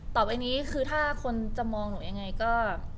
ต่อไปนี้คือถ้าคนจะมองหนูยังไงก็